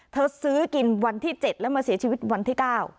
ซื้อกินวันที่๗แล้วมาเสียชีวิตวันที่๙